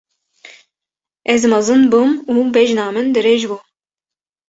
Ez mezin bûm û bejna min dirêj bû.